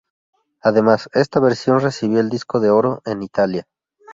Además, esta versión recibió el disco de oro en Italia.